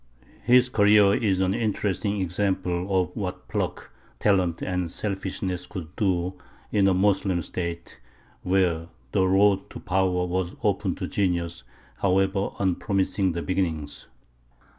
His career is an interesting example of what pluck, talent, and selfishness could do in a Moslem State, where the road to power was open to genius, however unpromising the beginnings.